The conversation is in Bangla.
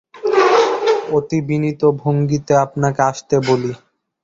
অতি বিনীত ভঙ্গিতে আপনাকে আসতে বলি।